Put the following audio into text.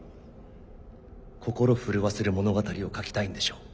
心震わせる物語を書きたいんでしょう。